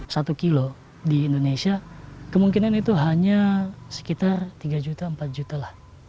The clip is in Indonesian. satu kilo di indonesia kemungkinan itu hanya sekitar tiga juta empat juta lah